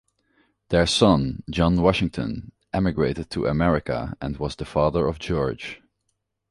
Their son, John Washington, emigrated to America and was the father of George.